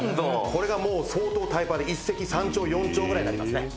「これがもう相当タイパで一石三鳥四鳥ぐらいになりますね」